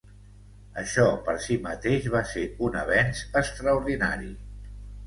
Això, per si mateix, va ser un avenç extraordinari.